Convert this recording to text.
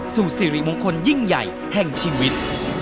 สู่สิริมงคลยิ่งใหญ่แห่งชีวิต